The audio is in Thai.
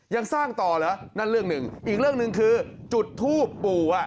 ยังสร้างต่อเหรอนั่นเรื่องหนึ่งอีกเรื่องหนึ่งคือจุดทูปปู่อ่ะ